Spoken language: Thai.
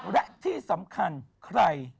และที่สำคัญใคร